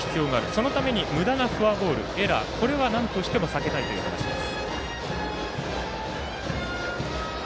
そのためにむだなフォアボールエラー、それはなんとしても避けたいという話です。